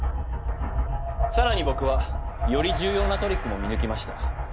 さらに僕はより重要なトリックも見抜きました。